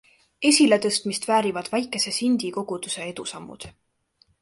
Esiletõstmist väärivad väikese Sindi koguduse edusammud.